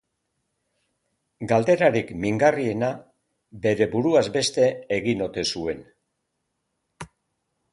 Galderarik mingarriena, bere buruaz beste egin ote zuen.